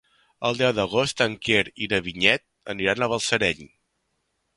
El deu d'agost en Quer i na Vinyet aniran a Balsareny.